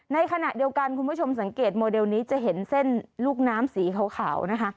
ในขณะเดียวกันคุณผู้ชมสังเกตโมเดลนี้จะเห็นเส้นลูกน้ำสีขาวนะคะ